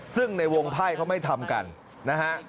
ซึ่งในวงไพ่เขาไม่ทำกันนะฮะ